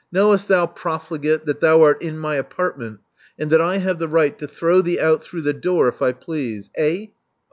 Knowest thou, profligate, that thou art in my apartment, and that I have the right to throw thee out through the door if I please. Eh?"